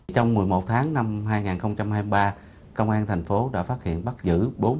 trong một mươi một tháng năm hai nghìn hai mươi ba công an thành phố đã phát hiện bắt giữ bốn mươi năm vụ bảy mươi tám đối tượng